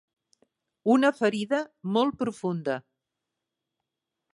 Una ferida molt profunda.